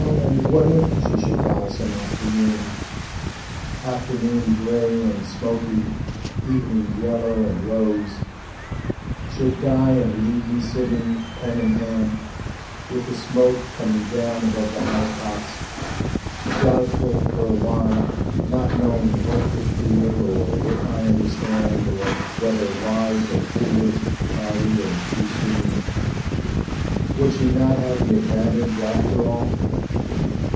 and what if she should die some afternoon, Afternoon grey and smoky, evening yellow and rose; Should die and leave me sitting pen in hand With the smoke coming down above the housetops; Doubtful, for quite a while Not knowing what to feel or if I understand Or whether wise or foolish, tardy or too soon... Would she not have the advantage, after all?